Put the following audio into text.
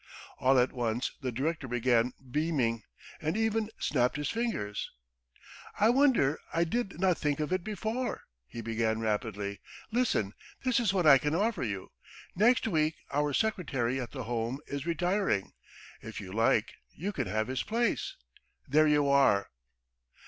All at once the director began beaming, and even snapped his fingers. "I wonder I did not think of it before!" he began rapidly. "Listen, this is what I can offer you. Next week our secretary at the Home is retiring. If you like, you can have his place! There you are!"